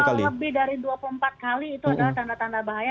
dua puluh empat kali itu adalah tanda tanda bahaya